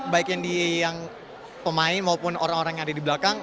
baik yang pemain maupun orang orang yang ada di belakang